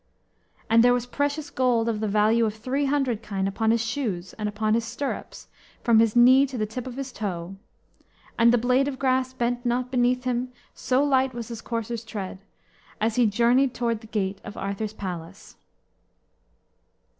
And there was precious gold of the value of three hundred kine upon his shoes, and upon his stirrups, from his knee to the tip of his toe. And the blade of grass bent not beneath him, so light was his courser's tread, as he journeyed toward the gate of Arthur's palace.